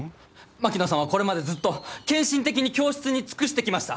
槙野さんはこれまでずっと献身的に教室に尽くしてきました！